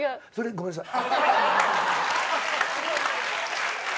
ごめんなさい。